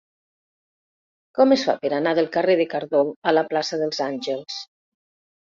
Com es fa per anar del carrer de Cardó a la plaça dels Àngels?